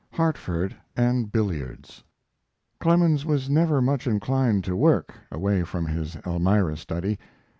CXV. HARTFORD AND BILLIARDS Clemens was never much inclined to work, away from his Elmira study.